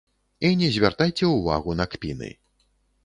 І не звяртайце ўвагу на кпіны.